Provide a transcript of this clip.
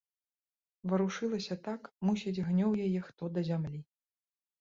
Варушылася так, мусіць, гнёў яе хто да зямлі.